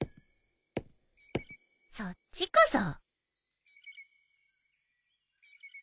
そっちこそ。